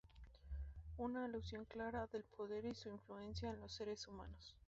Una alusión clara del poder y su influencia en los seres humanos.